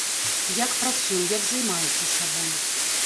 Як працуе, як займаецца сабой.